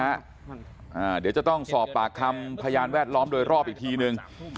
เดี๋ยวจะต้องสอบปากคำพยานแวดล้อมโดยรอบอีกทีนึง